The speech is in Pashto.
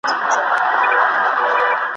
پر وزر د توتکۍ به زېری سپور وي